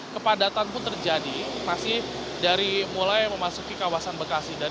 kepadatan pun terjadi masih dari mulai memasuki kawasan bekasi